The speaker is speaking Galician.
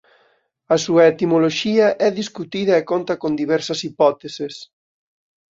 A súa etimoloxía é discutida e conta con diversas hipóteses.